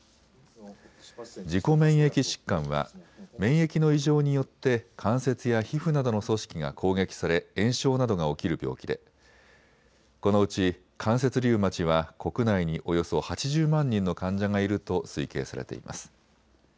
自己免疫疾患は免疫の異常によって関節や皮膚などの組織が攻撃され炎症などが起きる病気でこのうち関節リウマチは国内におよそ８０万人の患者がいると推計されています。